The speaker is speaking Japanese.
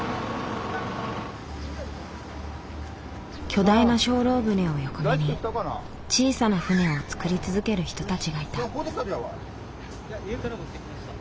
巨大な精霊船を横目に小さな船を作り続ける人たちがいた。